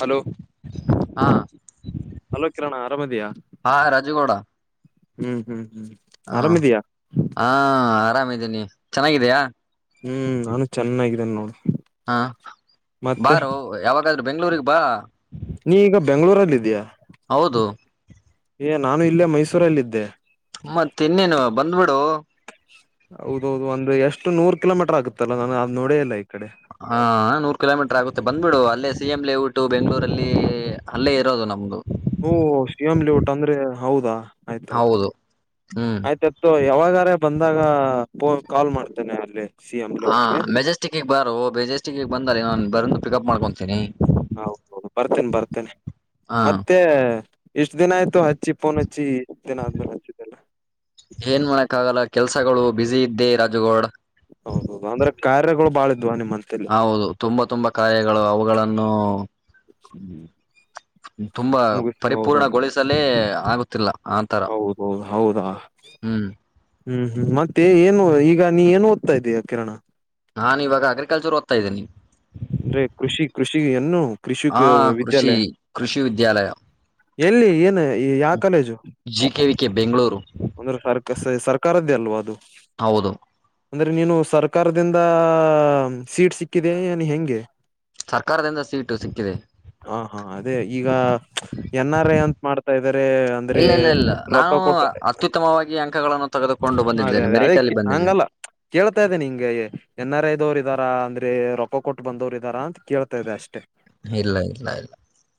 Hello ಹಾ hello Kiran ಆರಾಮದಿಯಾ ಹಾ ರಾಜುಗೌಡ ಹ್ಮ್ ಹ್ಮ್ ಹ್ಮ್ ಹ ಆರಾಮಿದೀಯಾ ಹಾ ಆರಾಮ [inaudible] ನಿ ಚೆನ್ನಾಗಿದಯಾ ಹ್ಮ್ ನಾನು ಚೆನ್ನಾಗಿದ್ದೇನೆ ನೋಡಿ ಹಾ ಬಾರು ಯಾವಾಗ ಹಾಗ್ರೆ ಬೆಂಗ್ಗಳೂರಿಗೆ ಬಾ ನೀ ಈಗ ಬೆಂಗ್ಗಳೂರಲ್ಲ ಇದೀಯಾ ಹೌದು ಏ ನಾನು ಇಲ್ಲೇ ಮೈಸೂರಲ್ಲಿದ್ದೆ ಮತ್ತಿನ್ನೇನು ಬಂದ್ಬಿಡೋ ಹೌದೌದು ಅಂದ್ರೆ ಎಷ್ ಷ್ಟ ನೂರ್ ಕಿಲೋಮೀಟರ್ ಆಗುತ್ತಲ್ಲ ನಾನ ಅದ್ನೋಡೇ ಇಲ್ಲ ಈ ಕಡೆ ಹಾ ನೂರ್ ಕಿಲೋಮೀಟರ್ ಆಗುತ್ತೆ ಬಂದ್ಬಿಡು ಅಲ್ಲೇ ಸಿಎಂ ಲೇಔಟು ಬೆಂಗ್ಳೂರಲ್ಲಿ ಅಲ್ಲೇ ಇರೋದು ನಮ್ದು ಹುಂ ಸಿಎಂ ಲೇಔಟ್ ಅಂದ್ರೆ ಹೌದಾ ಆಯ್ತಾಯ್ತು ಹೌದು ಹ್ಮ್ ಆಯ್ತಾಯ್ತು ಯಾವಾಗಾರ ಬಂದಾಗ ಪೋ ಕಾಲ್ ಮಾಡ್ತೇನೆ ಅಲ್ಲಿ ಸಿ ಎಂ ಹಾ ಲೇಔಟ್ಗೆ ಮೆಜೆಸ್ಟಿಕ್ಕೀಗ್ ಬಾರೋ ಮಜೆಸ್ ಬಂದ ನಾನು ಬಂದು ಪಿಕಪ್ ಮಾಡ್ಕೊಂತೀನಿ ಹೌದೌದು ಬರ್ತೇನಿ ಬರ್ತೇನಿ ಹ ಮತ್ತೆ ಎಷ್ಟ್ ದಿನ ಆಯ್ತು ಹ ಏನ್ ಮಾಡಕ್ಕ ಆಗಲ್ಲ ಕೆಲ್ಸಗಳು ಬಿಸಿ ಇದ್ದೆ ರಾಜುಗೌಡ [inaudible] ಹೌದೌದು ಅಂದ್ರೆ ಕಾರ್ಯಗಳು ಬಾಳ ಇದ್ವಾ ನಿಮ್ಮಂತಲ್ಲಿ ಹೌದು ತುಂಬಾ ತುಂಬಾ ಕಾಯಿಗಳು ಅವುಗಳನ್ನು ತುಂಬಾ ಮುಗಿಸಿ ಹೌದು ಪರಿಪೂರ್ಣಗೊಳಿಸಲೇ ಆಗುತ್ತಿಲ್ಲ ಆತರ ಹೌದೌದು ಹೌದಾ ಹ್ಮ್ ಹ್ಮ್ ಹ್ಮ್ ಮತ್ತೆ ಏನು ಈಗ ನೀ ಏನು ಓದ್ತಾ ಇದೀಯಾ ಕಿರಣ ನಾನು ಇವಾಗ ಅಗ್ರಿಕಲ್ಚರ್ ಓದ್ತಾ ಇದೀನೀ ಅಂದ್ರೆ ಕೃಷಿ ಕೃಷಿ ಇನ್ನು ಕೃಷಿ ಆ ಕೃಷಿ ವಿದ್ಯಾಲಯ ಕೃಷಿ ವಿದ್ಯಾಲಯ ಎಲ್ಲಿ ಏನು ಯಾವ college G K V K Bengaluru ಅಂದ್ರ ಸರ್ಕ ಸರ್ಕಾರದ್ದೇ ಅಲ್ವಾ ಅದು ಹೌದು ಅಂದ್ರೆ ನೀನು ಸರ್ಕಾರದಿಂದ ಸೀಟ್ ಸಿಕ್ಕಿದೆ ಏನ್ ಹೆಂಗ [inaudible] ಸರ್ಕಾರದಿಂದ ಸೀಟು ಸಿಕ್ಕಿದೆ ಹ ಹಾ ಅದೇ ಈಗ ಎನ್ ಆರ್ ಐ ಅಂತ ಮಾಡ್ತಾ ಇದಾರೆ ಅಂದ್ರೆ ಇಲ್ಲ ಇಲ್ಲ ಇಲ್ಲ ರೊಕ್ಕ ನಾನು ಕೊಟ್ಟು ಅತ್ಯುತ್ತಮವಾಗಿ ಅಂಕಗಳನ್ನು ತೆಗೆದುಕೊಂಡು ಹ ಅದೇ ಬಂದಿದ್ದೇನೆ ಅದೇ ಮೆರಿಟ್ ಅದೇ ಅಲ್ಲಿ ಬಂದಿದ್ದೇನೆ ಹಂಗಲ್ಲ ಕೇಳ್ತಾ ಇದ್ದ ನಿಂಗೆ ಎನ್ ಆರ್ ಐ ದವರು ಇದ್ದಾರಾ ಅಂದ್ರೆ ರಕ ಕೊಟ್ಟ ಬಂದವ್ರ ಇದಾರಾ ಅಂತ ಕೇಳ್ತಾ ಇದೆ ಅಷ್ಟೇ ಇಲ್ಲ ಇಲ್ಲ ಇಲ್ಲ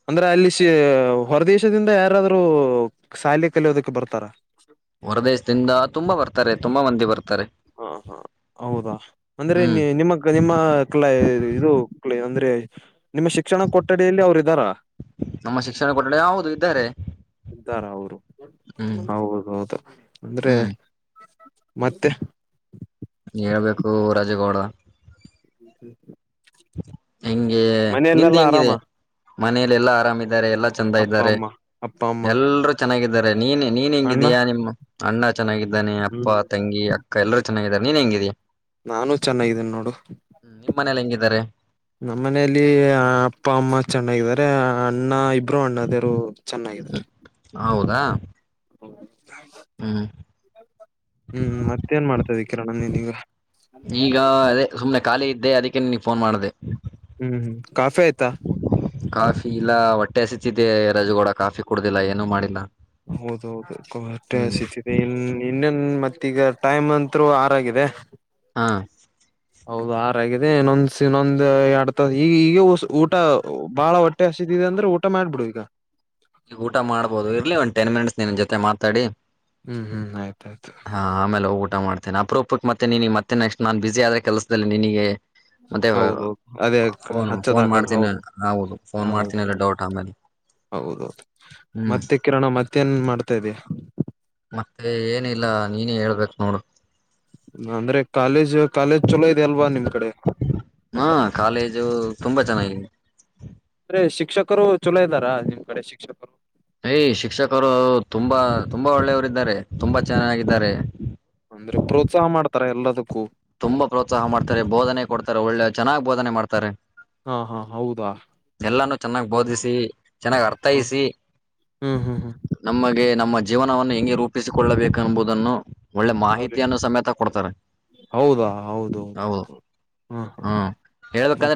ಅಂದ್ರೆ ಅಲ್ಲಿ ಸಿ ಹೊರದೇಶದಿಂದ ಯಾರಾದ್ರೂ ಶಾಲಿ ಕಲಿಯೋದಕ್ಕೆ ಬರ್ತಾರ ಹೊರ ದೇಶದಿಂದ ತುಂಬಾ ಬರ್ತ ತಾರೆ ತುಂಬಾ ಮಂದಿ ಬರ್ ಹಾ ಹಾ ಹೌದಾ ಅಂದ್ರೆ ಹ್ಮ್ ನಿ ನಿಮ್ಮ ನಿಮ್ಮ ಕ್ಲೆ ಇದು ಕ್ಲೇ ಅಂದ್ರೆ [inaudible] ನಿಮ್ಮ ಶಿಕ್ಷಣ ಕೊಠಡಿಯಲ್ಲಿ ಅವರಿದಾರಾ ನಮ್ಮ ಶಿಕ್ಷಣ ಕೊಠಡಿ ಹೌದು ಇದ್ದಾರೆ ಇದ್ದಾರ ಅವರು ಹ್ಮ್ ಹೌದೌದು ಅಂದ್ರೆ ಹ್ಮ್ ಮತ್ತೆ. ಹೇಳಬೇಕು ರಾಜೇಗೌಡ. [inaudible] [inaudible] ಹೆಂಗೆ ನಿಂದ ಮನೆಯಲ್ಲೆಲ್ಲಾ ಆರಾಮ ಹೆಂಗಿದೆ. ಮನೇಲೆಲ್ಲಾ ಆರಾಮ. ಾರೆ ಎಲ್ಲಾ ಚಂದ ಅಪ್ಪ ಇದಾರೆ ಅಮ್ಮ ಅಪ್ಪ ಅಮ್ಮ ಎಲ್ರೂ ಚೆನ್ನಾಗಿದ್ದಾರೆ. ನೀನ್ ನೀನ್ ಅಣ್ಣ ಹೆಂಗಿದೀಯಾ ನಿಮ್ಮ ಅಣ್ಣ ಚೆನ್ನಾಗಿದ್ದಾನೆ ಅಪ್ಪ ಹ್ಮ್ ತಂಗಿ ಅಕ್ಕ ಎಲ್ಲರ. ಚೆನಾಗಿದ್ದಾರೆ ನೀನ್ ಹೆಂಗೀದಿಯಾ. ನಾನು ಚೆನ್ನಾಗಿದ್ದೀನಿ ನೋಡು. ಹ್ಮ್ ನಿಮ್ ಮನೇಲಿ ಹೆಂಗಿದ್ದಾರೆ ನಮ್ಮ ಮನೆಯಲ್ಲಿ ಅಪ್ಪ ಅಮ್ಮ ಚೆನ್ನಾಗಿದ್ದಾರೆ ಅಣ್ಣ ಇಬ್ರು ಅಣ್ಣದಿರು. ಚೆನ್ನಾಗಿದ್ದಾರೆ. ಹ್ಮ್ ಹೌದಾ ಹ್ಮ. ಹ್ಮ್. ಹ್ಮ್ ಮತ್ತೇನ್ ಮಾಡ್ತ. ಸದ ಕಿರಣ ನೀನಿಗ. ಈಗ ಅದೇ ಸುಮ್ನೆ ಖಾಲಿ ಇದ್ದೆ ಅದಕ್ಕ. ಕೆ ನಿನ್ಗ ಫೋನ್ ಮಾಡ್ದೆ. ಹ್ಮ್ ಹ್ಮ್ ಕಾಫಿ ಆಯತಾ. ಕಾಫಿ ಇಲ್ಲ ಹೊಟ್ಟೆ ಹಸತಿದ್ದೆ ರಾಜುಗೌಡ ಕಾಫಿ ಕುಡದಿಲ್ಲ ಏನು ಮಾಡಿಲ್ಲ. ಹೌದ ಹೌದು ಹೊಟ್ಟೆ ಹ್ಮ್ ಹಸಿತಿದೆ ಇನ್ ಇನ್ನನ್ ಮತ್ತೆ. ಈಗ ಟೈಮ್ ಅಂತ್ರು ಆರಾಗಿದೆ. ಹಾ. ಹೌದು ಆರಾಗಿದೆ ಇನ್ನೊಂದ್ಸನ್ನೊಂದ್ ಎರಡ್ ತ ಈಗ ಈಗ ಊಟ ಬಾಳ ಹೊಟ್ಟೆ ಹಸಿದಿದೆ ಅಂದ್ರೆ ಊಟ ಮಾಡ್ಬಿಡು ಈಗ. ಈ ಊಟ ಮಾಡ್ಬೋದು ಇರ್ಲಿ ಉಂ. ಟೆನ್ ಮಿನಿಟ್ಸ್ ನಿನ್ ಜೊತೆ ಮಾತಾಡಿ. ಹ್ಮ್ ಹ್ಮ್ ಆಯತ. ಹಾ ಆಮೇಲೆ ಊಟ ಮಾಡ್ತ. ಮ ಅಪರೂಪ ಮತ್ತೆ ನೀ ಮತ್ತೆ ನೆಕ್ಸ್ಟ್ ನಾನ್ ಬಿಜಿ ಆದ್ರ ಕೆಲಸದಲ್ಲಿ ನಿನಿಗೆ. ಹೌದೌದು ಅದೇ ಹಚ್ಚದ ಫೋನ್ ಆಗಲ್ಲ ಮಾಡ್ತೀನಿ ಹೌದು ಹೌದು ಫೋನ್ ಹೌದು ಮಾಡ್ತೀನಿ ಅಲ್ಲ ಡೌಟ್ ಆಮೇಲೆ ಹೌದೌದು ಹ್ಮ್ ಮತ್ತೆ ಕಿರಣ ಮತ್ತೇನ್ ಮಾಡ್ತಾ ಇದೀಯ. ಾ ನೀನೇ ಹೇಳ್ಬೇಕ್ ನೋಡು. ಅಂದ್ರೆ ಕಾಲೇಜ್ ಕಾಲೇ. ಹಾ ಕಾಲೇಜು ತುಂಬಾ ಚೆನ್ನಾಗಿದೆ. ಕರು ಚಲೋ ಇದ್ದಾರಾ ನಿಮ್ ಕಡೆ ಶಿಕ್ಷಕರು. ಏಯ್ ಶಿಕ್ಷಕರು ತುಂಬಾ ತುಂಬಾ ಒಳ್ಳೆಯವರಿದ್ದಾರೆ ತುಂಬಾ ಚೆನ್ನಾಗಿದ್ದಾರೆ. ಅಂದ್ರೆ ಪ್ರೋತ್ಸಾಹ [inaudible] ತುಂಬಾ ಪ್ರೋತ್ಸಾಹ ಮಾಡ್ತಾರೆ ಬೋಧನೆ ಕೊಡ್ತಾರೆ ಒಳ್ಳೆ ಚೆನ್ನಾಗ್ ಬೋಧನೆ ಮಾಡ್ತಾರೆ ಹಾ ಹಾ ಹೌದಾ ಎಲ್ಲಾನೂ ಚೆನ್ನಾಗ್ ಬೋಧಿಸಿ ಚೆನ್ನಾಗ್ ಅರ್ಥೈಸಿ ಹ್ಮ್ ಹ್ಮ್ ಹ್ಮ್ ನಮಗೆ ನಮ್ಮ ಜೀವನವನ್ನು ಹೆಂಗೆ ರೂಪಿಸಿಕೊಳ್ಳಬೇಕು ಎಂಬುದನ್ನು ಒಳ್ಳೆ ಅವ್ರಿ ಮಾಹಿತಿಯನ್ನು ಸಮೇತ ಕೊಡ್ತಾರೆ ಹೌದಾ ಹೌದ ಹೌದು ಹೌದುೌದು ಹಾ ಹ ಹ್ಮ್ ಮೆ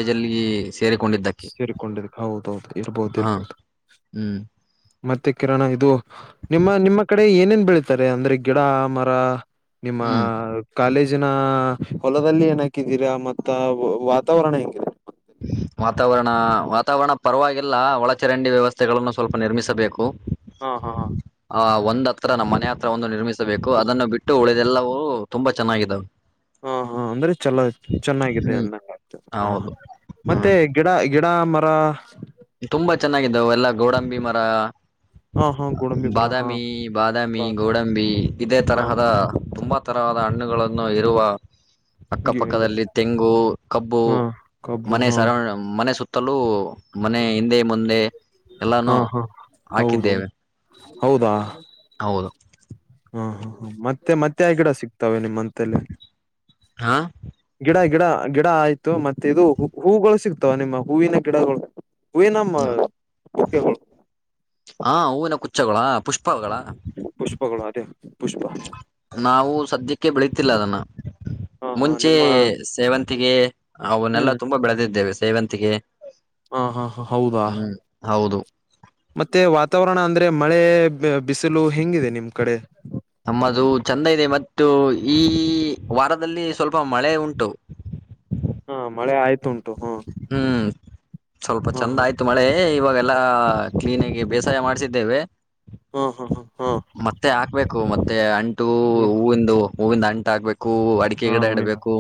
ಜಲ್ಲಿಿ ಸೇರಿಕೊಂಡಿದ್ದ ಹೌದೌದು ಇರ್ಬೋದು ಹ ಇರ್ಬೋದು ಹ್ಮ್ ಮತ್ತೆ ಕಿರಣ ಇದು ನಿಮ್ಮ ನಿಮ್ಮ ಕಡೆ ಏನೇನ್ ಬೆಳಿತಾರೆ ಅಂದ್ರೆ ಗಿಡ ಮರ ನಿಮ್ಮ ಹ್ಮ್ ಕಾಲೇಜಿನ ಹೊಲದಲ್ಲಿ ಏನ ಹಾಕಿದ್ದೀರಾ ಮತ್ತ ವಾತಾವರಣ ಹೆಂಗರಾ ವಾತಾವರಣ ವಾತಾವರಣ ಪರವಾಗಿಲ್ಲ ಒಳಚರಂಡಿ ವ್ಯವಸ್ಥೆಗಳನ್ನು ಸ್ವಲ್ಪ ನಿರ್ಮಿಸಬೇಕು ಹಾ ಹಾ ಹಾ ಆ ಒಂದ್ ಹತ್ರ ನಮ್ಮ್ ಮನೆ ಹತ್ರ ಒಂದು ನಿರ್ಮಿಸಬೇಕು ಅದನ್ನು ಬಿಟ್ಟು ಉಳದೆಲ್ಲರು ತುಂಬಾ ಚೆನ್ನಾಗಿದಾವವು ಹಾ ಹಾ ಅಂದ್ರೆ ಚಲೋ ಚೆನ್ನಾಗಿದೆ ಹ್ಮ್ ಅಂದತ ಹ ಹ ಹೌದು ಮತ್ತೆ ಹ್ಮ್ ಗಿಡ ಗಿಡ ಮರ ತುಂಬಾ ಚೆನ್ನಾಗಿದ್ದಾವ ಎಲ್ಲಾ ಗೋಡಂಬಿ ಮರ ಹಾ ಹಾ ಗೋಡಂಬಿ ಮರ ಹಾ ಬಾದಾಮಿ ಬಾದಾಮಿ ಹಾ ಗೋಡಂಬಿ ಇದೇ ಹಾ ತರಹದ ತುಂಬಾ ತರವಾದ ಹಣ್ಣುಗಳನ್ನು ಇರುವ ಅಕ್ಕಪಕ್ಕದಲ್ಲಿ ತೆಂಗು ಕಬ್ಬು ಕಬ್ಬು ಮನೆ ಹಾ ಸರೌಂಡ ಮನೆ ಸುತ್ತ ತಲು ಮನೆ ಹಿಂದೆ ಮುಂದೆ ಎಲ್ಲಾನು ಹಾ ಹಾ ಹೌದು ಹಾಕಿದ್ದೇವೆ ಹೌದಾ ಹೌದು ಹಾ ಹ ಹ ಮತ್ತೆ ಮತ್ತೆ ಗಿಡ ಸಿಕ್ತವೆೆ ನಿಮ್ಮ್ ಅಂತಲ್ಲಿ ಹಾ ಗಿಡ ಗಿಡ ಗಿಡ ಆಯ್ತು ಮತ್ತೆ ಇದು ಹೂಗಳು ಸಿಗ್ತಾವ ನಿಮ್ಮ ಹೂವಿನ ಗಿಡಗಳು [inaudible] ಹ ಹೂನ ಕುಚ್ಚಗಳ ಪುಷ್ಪಗಳ ಹ್ಮ ಪುಷ್ಪಗಳು ಅದೇ ಪುಷ್ಪ. ನಾವು ಸದ್ಯಕ್ಕೆ ಬೆಳೀತಿಲ್ಲ ಅದನ್ನ ಹ ಹ ಮುಂಚೆ ನಿಮ್ಮ ಸೇವಂತಿಗೆ ಅವನ್ನೆಲ್ಲ ತುಂಬಾ ಬೆಳೆದಿದ್ದೇವೆ ಸೇವಂತಿಗೆ ಹಾ ಹಾ ಹಾ ಹೌದಾ ಹ್ಮ್ ಹೌದು ಮತ್ತೆ ವಾತಾವರಣ ಅಂದ್ರೆ ಮಳೆ ಬಿಸಿಲು ಹೆಂಗಿದೆ ನಿಮ್ ಕಡೆ ನಮ್ಮದು ಚಂದ ಇದೆ ಮತ್ತು ಈ ವಾರದಲ್ಲಿ ಸ್ವಲ್ಪ ಮಳೆ ಉಂಟು ಹಾ ಮಳೆ ಆಯ್ತುಂ ಹ್ಮ್ ಸ್ವಲ್ಪ ಹಾ ಚಂದ ಹಾ ಆಯ್ತು ಮಳೆ ಇವಾಗ್ ಎಲ್ಲ ಕ್ಲೀನಿಗೆ ಬೇಸಾಯ ಮಾಡ್ಸಿದ್ದೇವೆ ಹ್ಮ್ ಹ್ಮ್ ಹ್ಮ್ ಹ್ಮ್ ಅ ಹೂವಿಂದು ಹೂವಿನ್ ಅಂಟ್ ಆಗ್ಬೇಕು ಕೂ ಅಡಿಕೆ ಹಾ ಗಿಡ ಹೂವಿನ ಇಡಬೇಕು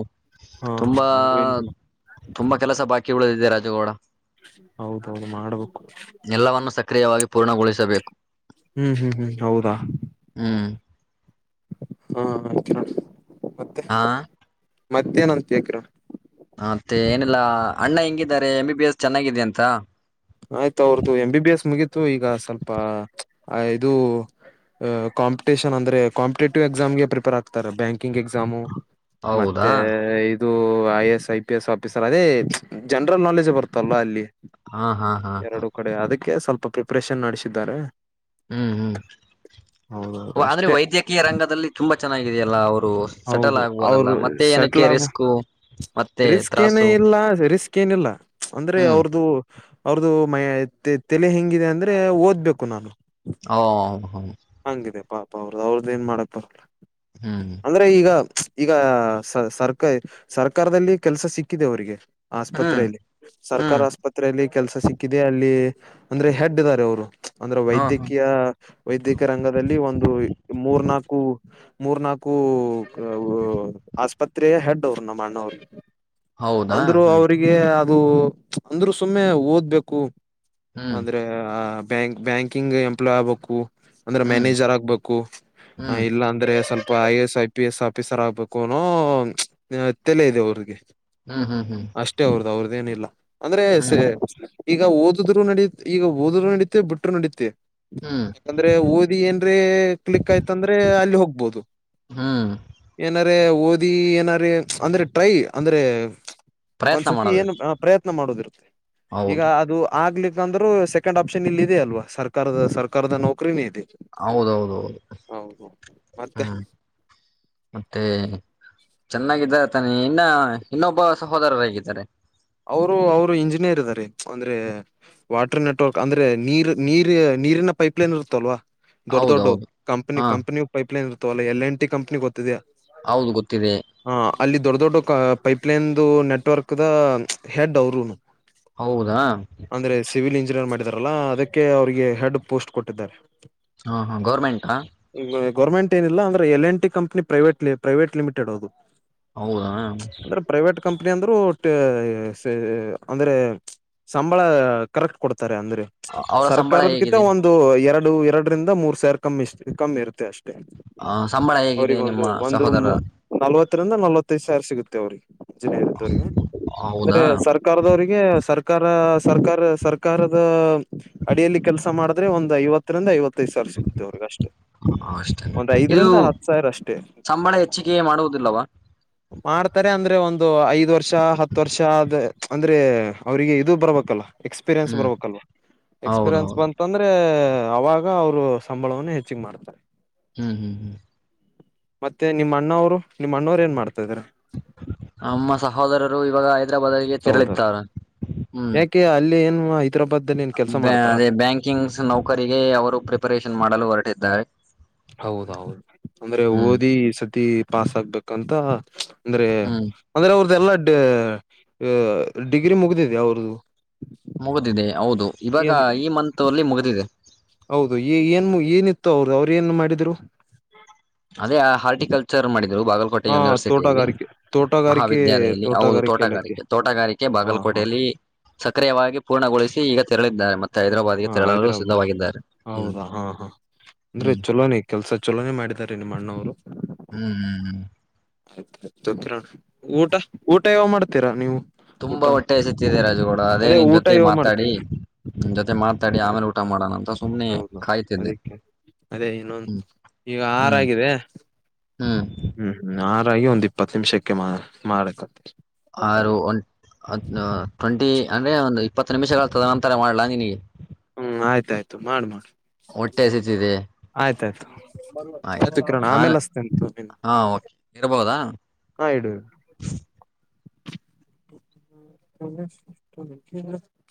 ಹಾ ಹಾ ತುಂಬಾ ಹಾ ಹೂವಿನ ಗಿಡ ತುಂಬಾ ಕೆಲಸ ಬಾಕಿಗಳು ಇದೆ ರಾಜಗೌಡ ಹೌದೌದು ಮಾಡ್ಬೇಕು ಕ್ರಿಯವಾಗಿ ಪೂರ್ಣಗೊಳಿಸಬೇಕು ಹ್ಮ್ ಹ್ಮ್ ಹ್ಮ್ ಹೌದಾ ಹ್ಮ್ ಹಾ ಚ ಮತ್ತೆ ಹಾ ಮಧ್ಯಾನೊಂತ್ಕಿರ ಮತ್ತೆ ಏನಿಲ್ಲಾ ಅಣ್ಣ ಹೆಂಗಿದ್ದಾರೆ ಎಮ್ ಬಿ ಬಿ ಎಸ್ ಚೆನ್ನಾಗಿದೆ ಅಂತ ಆಯ್ತು ಅವ್ರದ್ದು ಎಂ ಆ ಇದು ಅ ಕಾಂಪಿಟೇಷನ್ ಅಂದ್ರೆ ಕಾಂಪಿಟೇಟಿವ್ ಎಕ್ಸಾಮ್ಗೆ ಪ್ರಿಪೇರ್ ಆಗ್ತಾರೆ ಬ್ಯಾಂಕಿಂಗ್ ಎಕ್ಸಾಮು ಹೌದಾ ಮತ್ತೆ ಇದು I A S, I P S officer ಅದೇ ಜನರಲ್ ನಾಲೆಜ್ ಬರುತ್ತಲ್ವಾ ಅಲ್ಲಿ ಹಾ ಹಾ ಹಾ ಹಾ ಎ ಸ್ವಲ್ಪ ಪ್ರಿಪ್ರೇಷನ್ ನಡೆಸಿದ್ದಾರೆ ಹ್ಮ್ ಹ್ಮ್ ಹೌದೌದು ಆದ್ರೆ ಅಷ್ಟೇ ವೈದ್ಯಕೀಯ ರಂಗದಲ್ಲಿ ತುಂಬಾ ಚೆನಾಗಿದೀವಿ ಎಲ್ಲ ಅವರ್ ಸೆಟಲ್ ಹೌದು ಆಗ್ಬೋದಲ್ಲ ಅವರು ಮತ್ತೆ ಏನಕ್ಕೆ ಸೆಟ್ಲ್ ಆಗ ರಿಸ್ಕು ರಿಸ್ಕ್ ಏನೂ ಇಲ್ಲ ರಿಸ್ಕ್ ಏನಿಲ್ಲ ಅಂದ್ರೆ ಹ್ಮ್ ಅವ್ರ್ದು ಅವ್ರ್ದು ಮ ತೆಲೆ ಹೆಂಗಿದೆ ಅಂದ್ರೆ ಓದ್ಬೇಕು ನಾನು ಹಓ ಹ ಹಂಗಿದೆ ಪಾಪ ಅವ್ರು ಅವ್ರದ್ದ್ ಏನ್ ಮಾಡಕ್ ಹ್ಮ್ ಅಂದ್ರೆ ಈಗ ಈಗ ಸರ್ಕ ಸರ್ ಸರ್ಕಾರದಲ್ಲಿ ಕೆಲಸ ಸಿಕ್ಕಿದೆ ಅವರಿಗೆ ಹ್ಮ್ ಆಸ್ಪತ್ರೆಯಲ್ಲಿ ಸರ್ಕಾರ ಹ್ಮ್ ಆಸ್ಪತ್ರೆಯಲ್ಲಿ ಕೆಲ್ಸ ಸಿಕ್ಕಿದೆ ಅಲ್ಲಿ ಅಂದ್ರೆ ಹೆಡ್ ಇದ್ದಾರೆ ಅವರು ಅಂದ್ರೆ ಹ ಹ ವೈದ್ಯಕೀಯ ವೈದ್ಯಕೀಯ ರಂಗದಲ್ಲಿ ಒಂದು ಮೂರ್ನಾಲ್ಕು ಮೂರ್ ನಾಲ್ಕು ಆಸ್ಪತ್ ಸ್ ಹೆಡ್ಡ್ರು ನಮ್ಮಣ್ಣವರು [inaudible] ಹೌದಾ ಅಂದ್ರು ಹ್ಮ್ ಅವ್ರಿಗೆ ರು ಅಂದ್ರರು ಸುಮ್ಮನೆ ಓದ್ಬೇಕು ಹ್ಮ್ ಅಂದ್ರೆ ಆ ಬ್ಯಾಂಕ್ ಬ್ಯಾಂಕಿಂಗ್ ಎಂಪ್ಲಾಯ್ ಆಗ್ಬೇಕು ಅಂದ್ರೆ ಹ್ಮ್ ಮ್ಯಾನೇಜರ್ ಆಗ್ಬೇಕು ಹ್ಮ್ ಇಲ್ಲ ಅಂದ್ರೆ ಸ್ವಲ್ಪ I S I P S ಪ್ಪ ಸರ್ ಆಗ್ಬೇಕುಲ ೇ ಅವ್ರಿಗೆ ಹ್ಮ್ ಹ್ಮ್ ಹ್ಮ್ ಅಷ್ಟೇ ಅವ್ರದು ಅವ್ರದ್ದ ಇನ್ನ್ ಇಲ್ಲ ಅಂದ್ರೆ ಸ ಹ್ಮ್ ಈಗ ಓದ ಹ್ರು ನಡೀ ಈಗ ೋದ್ರು ನಡೀತೆೆ ಬಿಟ್ಟರು ನಡೀುತ್ತೆ ಹ್ಮ್ ಯಾಕಂದ್ರೆ ಓದಿ ಏನ್ರೆ ಕ್ಲಿಕ್ ಆಯ್ತಂದ್ರೆ ಅಲ್ಲಿ ಹೋಗ್ಬೋದು ಹ್ಮ್ ಏನಾರ ಓದಿ ಏನಾರ ಅಂದ್ರೆ ಟ್ರೈ ಅಂದ್ರೆ ಪ್ರಯತ್ನ ಒಂದ್ಸತಿ ಏನು ಮಾಡಬೇಕು ಪ್ರಯತ್ನ ಮಾಡುದ್ರು ಈಗ ಹೌದು ಅದು ಆಗ್ಲಿಕ್ಕೆ ಈ ಅಂದ್ರೂ ಸೆಕೆಂಡ್ ಆಪ್ಷನ್ ಇಲ್ಲ ಇದೆ ಅಲ್ವಾ ಸರ್ಕಾರದ ಸರ್ಕಾರದ ನೌಕರಿನೇ ಇದೆ ಹೌದೌದ ಹೌದು ಹೌದು ಮತ್ತೆ ಹ್ಮ್ ಮತ್ತೆ ಚೆನ್ನಾಗಿದ್ದಾರೆ ತಾನಿ ಇನ್ನ ಇನ್ನೊಬ್ಬ ಸಹೋದರರು ಹೇಗಿದ್ದಾರೆ ಅವರು ಅವ್ರು ಇಂಜಿನಿಯರ್ ಇದಾರೆ ಅಂದ್ರೆ ವಾಟರ್ ನೆಟ್ವರ್ಕ್ ಅಂದ್ರೆ ನೀರ್ ನೀರ್ ನೀರಿನ ಪೈಪ್ಲೈನ್ ಇರುತ್ತಲ್ವಾ ದೊಡ್ಡ ದೊಡ್ಡ ಹೌದೌದು ಕಂಪನಿ ಹಾ ಕಂಪನಿ ಪೈಪ್ಲೈನ್ ಇತ್ತ ಲ್ಲ ಎಲ್ ಎ ಟ ಕಂಪನಿ ಗೊತ್ತಿದಾ ಹೌದು ಗೊತ್ತಿದೆ ದೊಡ್ಡ ದೊಡ್ಡ ಪೈಪ್ಲೈನ್ದು ನೆಟ್ವರ್ಕ್ ದ ಹೆ ದರುನು ಹೌದಾ ಸಿವಿಲ್ ಇಂಜಿನಿಯರ್ ಮಾಡಿದಾರಲ್ಲಾ ಅದಕ್ಕೆ ಅವರಿಗೆ ಹೆಡ್ ಪೋಸ್ಟ್ ಕೊಟ್ಟಿದ್ದಾರೆ ಹಾ ಹಾ ಗೌರ್ಮೆಂಟಾ ಏನಿಲ್ಲಾ ಅಂದ್ರೆ L N T company private limited ಅದು ಹೌದಾ ಅಂದ್ರೆ ಪ್ರೈವೇಟ್ ಕಂಪ್ನಿ ಅಂದ್ರೂ ಅಂದ್ರೆ ಸಂಬಳ ಕರೆಕ್ಟ್ ಕೊಡ್ ತಾರೆ ಅಂದ್ರೆ ಅವರ ಸಂಬಳ ಸರ್ಕಾರದ ಕಿಂತ ಹೇಗಿದೆ ಒಂದು ಎರಡು ಎರಡರಿಂದ ಮೂರ್ ಸಾವಿರ ಕಮ್ಮಿ ಕಮ್ಮಿ ಇರುತ್ತೆ ಅಷ್ಟೇ ಆ ಸಂಬಳ ಹೇಗಿದೆ ಅವ್ರಿಗೆ ಒಂದು ನಿಮ್ಮ ಒಂದು ಸಹೋದರ ನಲ್ವತ್ತರಿಂದ ನಲವತ್ತೈದು್ ಸಾವಿರ ಸಿಗುತ್ತೆ ತೇವ್ರರಿ ಇಂಜಿನಿಯರ್ ಇದ್ದವರಿಗೆ ಅಂದ್ರೆ ಹೌದಾ ಸರ್ಕಾರದವರಿಗೆ ಸರ್ ಸರ್ಕಾರ ಸರ್ಕಾರ ಸರ್ಕಾರದ ಅಡಿಯಲ್ಲಿ ಕೆಲಸ ಮಾಡಿದ್ರೆ ಒಂದ್ ಐವತ್ತರಿಂದ ಐವತ್ತೈದು ಸಾವಿರ ಸಿಗುತ್ತೆ ಅವರ್ಗಷ್ಟೆ ಅಷ್ಟೇ ಒಂದ್ ಇದು ಐದರಿಂದ ಹತ್ ಸಾವಿರ ಅಷ್ಟೇ ಸಂಬಳ ಹೆಚ್ಚಿಗೆ ಮಾಡುವುದಿಲ್ಲವಾ ಮಾಡ್ತಾರೆ ಅಂದ್ರೆ ಒಂದು ಐದ್ ವರ್ಷ್ ವರ್ಷ ಹತ್ತು ವರ್ಷ ಅ ಆದ ಅಂದ್ರೆ ಅವ್ರಿಗೆ ಇದು ಬರ್ಬೇಕಲ್ಲ ಎಕ್ಸ್ಪೀರಿಯೆನ್ಸ್ ಹ್ಮ್ ಬರ್ಬೇಕಲ್ವಾ ಎಕ್ಸ್ಪೀರಿಯೆನ್ಸ್ ಹೌದೌದು ಬಂತಂದ್ರೆ ಅವಾಗ ಅವರು ಸಂಬಳವನ್ನು ಹೆಚ್ಚಿಗೆ ಮಾಡ್ತಾರೆ ಹ್ಮ್ ಹ್ಮ್ ಹ್ಮ್ ಮತ್ತೆ ನಿಮ್ಮ ಅಣ್ಣವ್ರು ನಿಮ್ಮ ಅಣ್ಣವ್ರ ಏನ್ ಮಾಡ್ ತ [unintelligible] ನಮ್ಮ ಸಹೋದರರು ಇವಾಗ ಹೈದ್ರಾಬಾದ್ಗೆ ಸಹೋದರ. ತೆರಳ್ತಾರ ಹ್ಮ್ ಯಾಕೆ ಅಲ್ಲಿ ಏನ್ ಹೈದ್ರಾಬಾದ್ ಅಲ್ಲಿ ಏನ್ ಕೆಲ್ಸ ಮಾಡ್ತಾರ ಅದೇ ಬ್ಯಾಂಕಿಂಗ್ ನೌಕರಿಗೆ ಅವರು ಪ್ರಿಪರೇಷನ್ ಮಾಡಲು ಹೊರಟಿದ್ದಾರೆ ಹೌದೌದು ಅಂದ್ರೆ ಹ್ಮ್ ಓದಿ ಸತಿ ಪಾಸ್ ಆಗ್ಬೇಕಂತ ಅಂದ್ರೆ ಹ್ಮ್ ಅಂದ್ರೆ ಅವ್ರದ್ ಎಲ್ಲಾ ಡ ಡಿಗ್ರಿ ಮುಗ್ದಿದೆ ಅವ್ರದು ಮುಗಿದಿದೆ ಹೌದು ಇವಾಗ ಏನ್ ಈ ಮಂತ್ ಅಲ್ಲಿ ಮುಗಿದಿದೆ ಹೌದು ಏನ್ ಏನಿತ್ತು ಅವರು ಅವ್ರು ಏನ್ ಮಾಡಿದ್ರು ಅದೇ ಹಾರ್ಟಿಕಲ್ಚರ್ ಮಾಡಿ ಬಾಗಲಕೋಟೆ ಹಾ ಯೂನಿವರ್ಸಿಟಿಯಲ್ಲಿ ತೋಟಗಾರಿಕೆ ತೋಟಗಾರಿಕೆ ಮಹಾವಿದ್ಯಾಲಯಲ್ಲಿ ಹೌದು ಇಲಾಖೆ ತೋಟಗಾರಿಕೆ ತೋಟಗಾರಿಕೆ ಹಾ ಹಾ ಬಾಗಲಕೋಟೆಯಲ್ಲಿ ಸಕ್ರಿಯವಾಗಿ ಪೂರ್ಣಗೊಳಿಸಿ ಈಗ ತೆರಳಿದ್ದಾರೆ ಮ ಹಾ ಹೈದ್ರಾಬ್ ಹ್ಮ್ ಹೌದಾ ಹಾ ಹಾ ಅಂದ್ರೆ ಹ್ಮ್ ಚುಲೋನೆ ಕೆಲ್ಸ ಚುಲೋನೆ ಮಾಡಿದ್ದಾರೆ ನಿಮ್ಮಣ್ಣೋರು ಹ್ಮ್ ಹ್ಮ್ ಹ್ಮ್ ಊಟ ಊಟ ಯಾವಾಗ ಮಾಡ್ತೀರಾ ನೀವು ತುಂಬಾ ಊಟನ ಹೊಟ್ಟೆ ಹಸಿತಿದೆ ರಾಜುಗೌಡ ಅದೇ ನಿನ್ ಊಟ ಜೊತೆ ಯಾವ ಮಾತಾಡಿ. ಮಾಡ್ತಿದ್ರ ಜೊತೆ ಮಾತಾಡಿ ಆಮೇಲೆ ಊಟ ಮಾಡೋಣ ಅಂತ. ಸುಮ್ನೆ ಹೌದು ಕಾಯ್ತಿದ್ದೆ ಅದಕ್ಕೆ ಅದೇ ಇನ್ನೊಂದ ಹ್ಮ್ ಈಗ ಹ್ಮ್ ಆರಾಗಿದೆ ಹ್ಮ್ ಹ್ಮ್ ಹ್ಮ್ ಆರಾಗಿ ಒಂದ್. ಇಪ್ಪತ್ತ ನಿಮಿಷಕ್ಕೆ ಮಾ ಮಾಡಕತ್ತೆ. ಆರು ಒ ಟ್ವೆಂಟಿ. ಅಂದ್ರೆ ಒಂದ್ ಇಪ್ಪತ್ತು ನಿಮಿಷಗಳ ತದ ನಂತರ ಮಾಡ್ಲಾ ನಿನಗೆ. ಹ್ಮ್ ಆಯ್ತಾಯ್ತು ಮಾಡ ಮಾಡ ಹೊಟ್ಟೆ ಎಸಿತಿದೆ ಆಯ್ತಾಯ್ತು ಆಯ್ತು ಕಿರಣ ಆಮೇಲೆ ಅಚತಿನ್ ತೋ ನಿಂಗ್ ಹಾ ಓಕೆ ಇರಬಹುದಾ ಹ ಇಡುಡು. [inaudible]